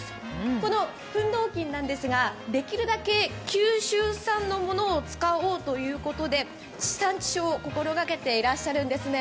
このフンドーキンなんですが、できるだけ九州産のものを使おうということで地産地消を心がけていらっしゃるんですね。